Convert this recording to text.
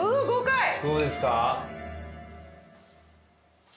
どうですか？